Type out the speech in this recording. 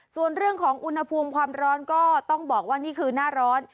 ส่วนเรื่องของอุณหภูมิความร้อนก็ต้องบอกว่านี่คือหน้าร้อน